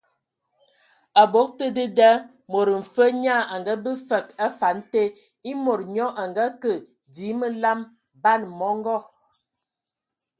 Abog te dedā, mod mfe nyaa a ngabe fəg a afan te ; e mod nyo a ngəkə dzii məlam, ban mɔngɔ.